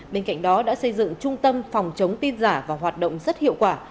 bên cạnh đó đã xây dựng trung tâm phòng chống tin giả và hoạt động rất hiệu quả